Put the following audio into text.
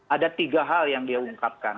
ada tiga hal yang dia ungkapkan